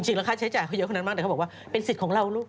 ค่าใช้จ่ายเขาเยอะคนนั้นมากแต่เขาบอกว่าเป็นสิทธิ์ของเราลูก